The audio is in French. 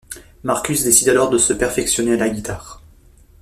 Marcus décide alors de se perfectionner à la guitare.